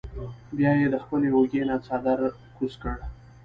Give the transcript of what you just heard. بیا ئې د خپلې اوږې نه څادر کوز کړۀ ـ